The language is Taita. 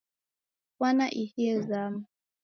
Fwana ihi yezama